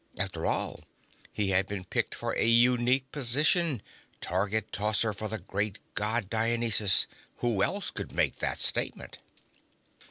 After all, he had been picked for a unique position: target tosser for the great God Dionysus. Who else could make that statement?